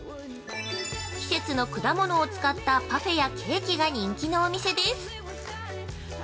季節の果物を使ったパフェやケーキが人気のお店です。